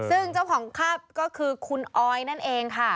ซึ่งเจ้าของภาพก็คือคุณออยนั่นเองค่ะ